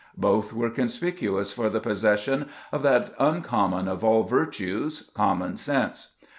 Both were conspicuous for the possession of that most uncommon of all vir tues, common sense.